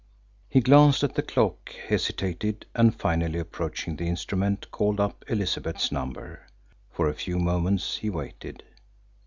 He glanced at the clock, hesitated, and finally approaching the instrument called up Elizabeth's number. For a few moments he waited.